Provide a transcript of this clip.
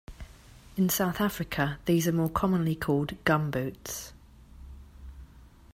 In South Africa these are more commonly called "gumboots".